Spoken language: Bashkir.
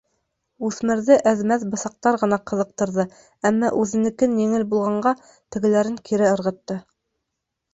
Үҫмерҙе әҙ-мәҙ бысаҡтар ғына ҡыҙыҡтырҙы, әммә үҙенекенән еңел булғанға, тегеләрен кире ырғытты.